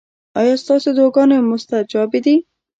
ایا ستاسو دعاګانې مستجابې دي؟